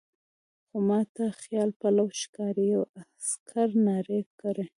خو ما ته خیال پلو ښکاري، یوه عسکر نارې کړې.